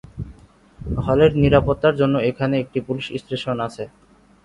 হলের নিরাপত্তার জন্য এখানে একটি পুলিশ স্টেশন আছে।